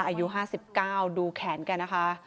อายุ๕๙ดูแขนแกนะคะ